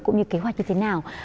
cũng như kế hoạch như thế nào